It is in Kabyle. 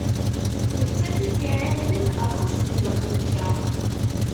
Nettat i t-iεewnen aṭas deg leqdic-a.